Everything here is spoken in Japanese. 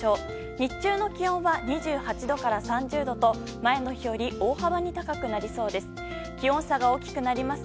日中の気温は２８度から３０度と前の日より大幅に高くなりそうです。